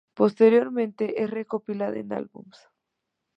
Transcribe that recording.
Posteriormente es recopilada en álbumes.